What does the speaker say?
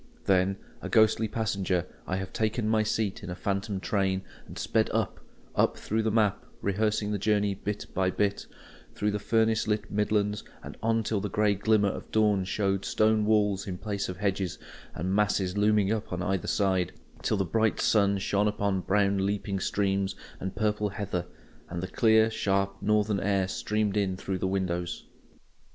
Then, a ghostly passenger, I have taken my seat in a phantom train, and sped up, up, through the map, rehearsing the journey bit by bit: through the furnace lit Midlands, and on till the grey glimmer of dawn showed stone walls in place of hedges, and masses looming up on either side; till the bright sun shone upon brown leaping streams and purple heather, and the clear, sharp northern air streamed in through the windows.